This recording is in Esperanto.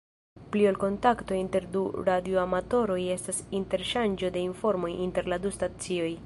Pli ol kontakto inter du radioamatoroj estas interŝanĝo de informoj inter la du stacioj.